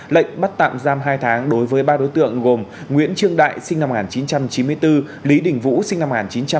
lệnh bắt tạm giam hai tháng đối với ba đối tượng gồm nguyễn trương đại sinh năm một nghìn chín trăm chín mươi bốn lý đình vũ sinh năm một nghìn chín trăm tám mươi